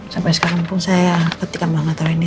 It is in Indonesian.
sampai sekarang pun saya ketika mau ngatain ini